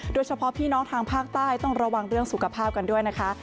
โดยเฉพาะพี่น้องทางภาคใต้ต้องระวังเรื่องสุขภาพกันด้วยนะคะ